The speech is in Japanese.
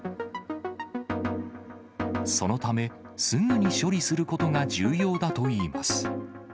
そのため、すぐに処理することが重要だといいます。